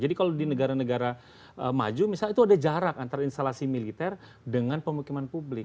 jadi kalau di negara negara maju misalnya itu ada jarak antara instalasi militer dengan pemukiman publik